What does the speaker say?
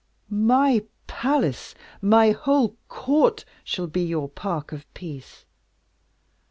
"My palace, my whole court, shall be your park of peace.